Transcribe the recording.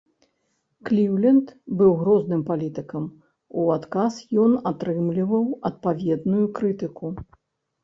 Кліўленд быў грозным палітыкам, у адказ ён атрымліваў адпаведную крытыку.